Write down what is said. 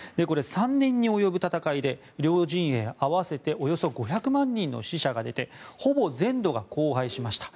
３年に及ぶ戦いで両陣営合わせておよそ５００万人の死者が出てほぼ全土が荒廃しました。